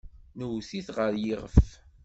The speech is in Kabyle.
Nwet-it ɣer yiɣef.